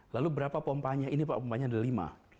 lalu berapa pompanya ini pak pompanya ada lima